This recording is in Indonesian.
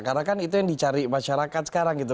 karena kan itu yang dicari masyarakat sekarang gitu